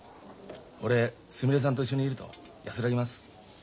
俺すみれさんと一緒にいると安らぎます。